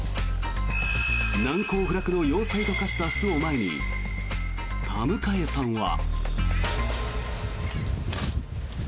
難攻不落の要塞と化した巣を前に田迎さんは。